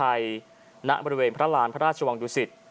พระเจ้าอยู่หัวทรงจักรยันทร์ถึงเส้นชัยณบริเวณพระราณพระราชวังดุสิต